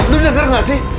lu denger gak sih